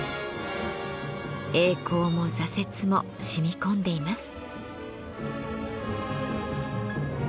栄光も挫折も染み込んでいます。